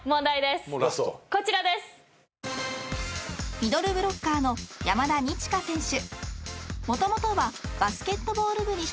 ［ミドルブロッカーの山田二千華選手］